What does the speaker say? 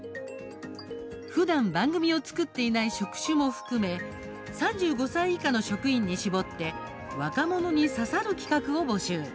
ふだん番組を作っていない職種も含め３５歳以下の職員に絞って「若者に刺さる」企画を募集。